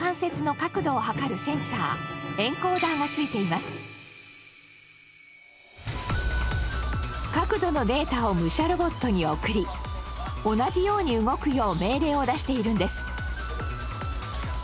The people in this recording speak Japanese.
角度のデータを武者ロボットに送り同じように動くよう命令を出しているんです。